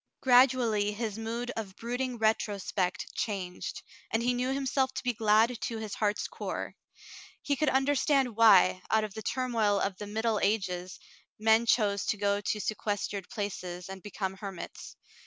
Gradually his mood of brooding retrospect changed, and he knew himself to be glad to his heart's core. He 35 36 The Mountain Girl could understand why, out of the turmoil of the Middle Ages, men chose to go to sequestered places and become hermits.